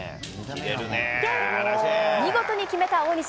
見事に決めた大西。